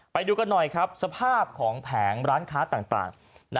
ไปดูกันหน่อยครับสภาพของแผงร้านค้าต่าง